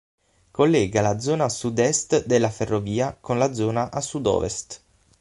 Collega la zona a sud-est della ferrovia con la zona a sud-ovest.